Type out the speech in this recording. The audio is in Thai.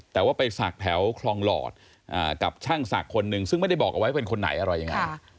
แต่ว่าไปศักดิ์แถวคลองหลอดกับช่างศักดิ์คนหนึ่งซึ่งไม่ได้บอกเอาไว้เป็นคนไหนอะไรยังไง